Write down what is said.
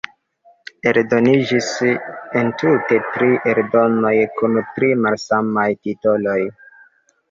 Eldoniĝis entute tri eldonoj kun tri malsamaj titoloj.